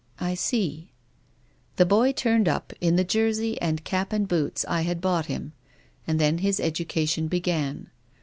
" I see." " The boy turned up in the jersey and cap and boots I had bought him. And then his education began.